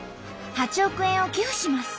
「８億円を寄付します！！